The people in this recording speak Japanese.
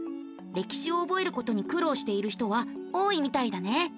歴史を覚えることに苦労している人は多いみたいだね。